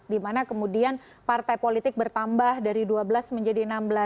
dimana kemudian partai politik bertambah dari dua belas menjadi enam belas